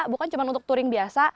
bukan cuma untuk touring biasa